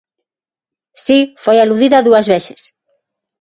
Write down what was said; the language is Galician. Si, foi aludida dúas veces.